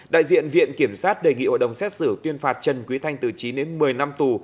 đại diện viện kiểm sát đề nghị hội đồng xét xử tuyên phạt trần quý thanh từ chín đến một mươi năm tù